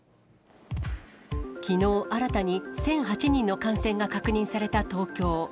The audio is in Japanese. きのう、新たに１００８人の感染が確認された東京。